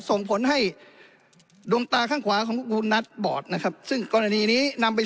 ส่งผลให้ดวงตาข้างขวาของคุณนัทบอดนะครับซึ่งกรณีนี้นำไป